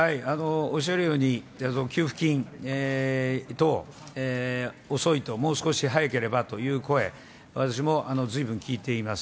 おっしゃるように、給付金等、遅いと、もう少し早ければという声、私もずいぶん聞いています。